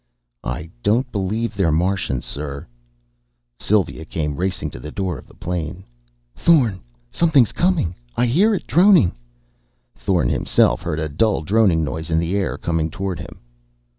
"I don't believe they're Martians, sir " Sylva came racing to the door of the plane. "Thorn! Something's coming! I hear it droning!" Thorn himself heard a dull droning noise in the air, coming toward him.